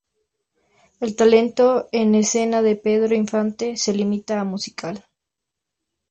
El talento en escena de Pedro Infante se limita a un musical.